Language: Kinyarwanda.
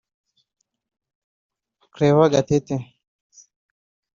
Claver Gatete